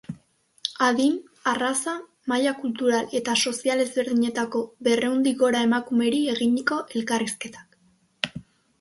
Adin, arraza, maila kultural eta sozial ezberdinetako berrehundik gora emakumeri eginiko elkarrizketak.